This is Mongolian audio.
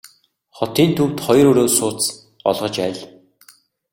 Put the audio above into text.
Хотын төвд хоёр өрөө сууц олгож аль.